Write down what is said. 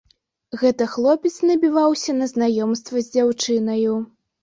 Гэта хлопец набіваўся на знаёмства з дзяўчынаю.